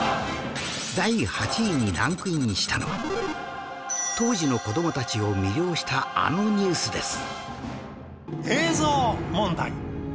第８位にランクインしたのは当時の子どもたちを魅了したあのニュースです